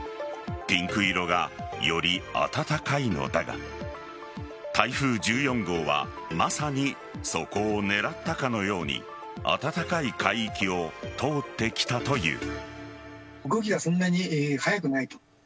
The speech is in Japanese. ピンク色がより温かいのだが台風１４号はまさにそこを狙ったかのように温かい海域を通ってきたという。